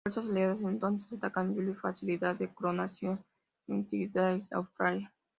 Las fuerzas Aliadas entonces atacan Yuri facilidad de clonación en Sídney, Australia.